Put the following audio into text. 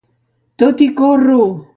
Tot hi corro!